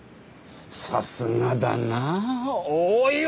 さすがだなあ大岩！